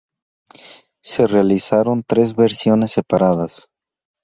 Se realizaron tres versiones separadas.